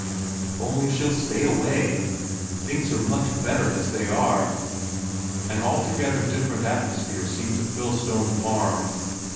"If only she'll stay away! Things are much better as they are." An altogether different atmosphere seemed to fill Stone Farm.